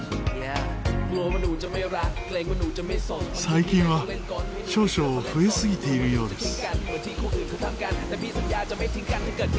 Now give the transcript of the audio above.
最近は少々増えすぎているようです。